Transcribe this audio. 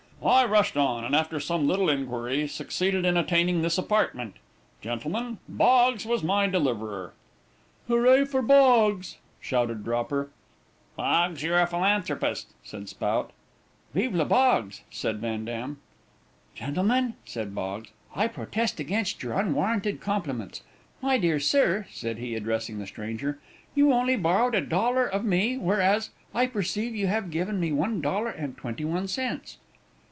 I rushed on, and after some little inquiry, succeeded in attaining this apartment. Gentlemen, Boggs was my deliverer." "Hurrah for Boggs," shouted Dropper. "Boggs, you're a philanthropist," said Spout. "Vive le Boggs," said Van Dam. "Gentlemen," said Boggs, "I protest against your unwarranted compliments. My dear sir," said he, addressing the stranger, "you only borrowed a dollar of me, whereas, I perceive you have given me one dollar and twenty one cents."